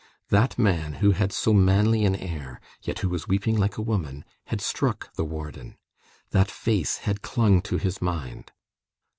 That man, who had so manly an air, yet who was weeping like a woman, had struck the warden. That face had clung to his mind.